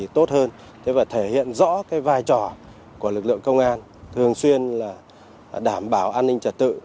thế và thể hiện rõ cái vai trò của lực lượng công an thường xuyên là đảm bảo an ninh trật tự